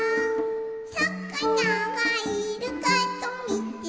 「さかながいるかとみてました」